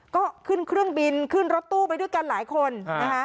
ก็ขึ้นเครื่องบินขึ้นรถตู้ไปด้วยกันหลายคนนะคะ